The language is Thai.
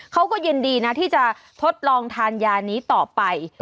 เขาก็ยินดีนะที่จะทดลองทานยานี้ต่อไป